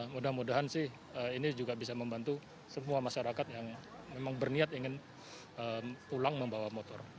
mudah mudahan sih ini juga bisa membantu semua masyarakat yang memang berniat ingin pulang membawa motor